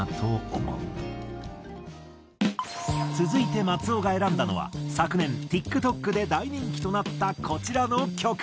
続いて松尾が選んだのは昨年ＴｉｋＴｏｋで大人気となったこちらの曲。